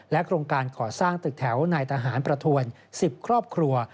โครงการก่อสร้างตึกแถวนายทหารประทวน๑๐ครอบครัว